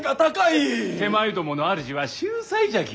手前どもの主は秀才じゃき。